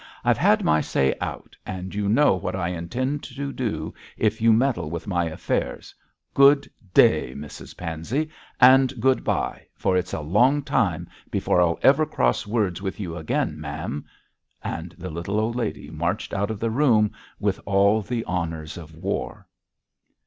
'I've had my say out, and you know what I intend to do if you meddle with my affairs. Good day, Mrs Pansey, and good bye, for it's a long time before I'll ever cross words with you again, ma'am,' and the little old lady marched out of the room with all the honours of war.